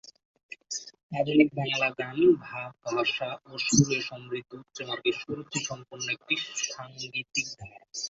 আধুনিক বাংলা গান ভাব, ভাষা ও সুরে সমৃদ্ধ উচ্চমার্গের সুরুচিসম্পন্ন একটি সাঙ্গীতিক ধারা।